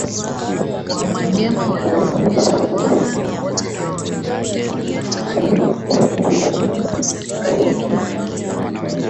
wamanyema waliwafundisha waha na wote hawa waliipigania Tanganyika Kutoka mikononi mwa serekali ya kikoloni